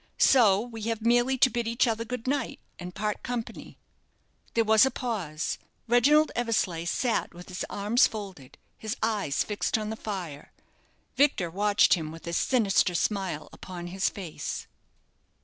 So we have merely to bid each other good night, and part company." There was a pause Reginald Eversleigh sat with his arms folded, his eyes fixed on the fire. Victor watched him with a sinister smile upon his face.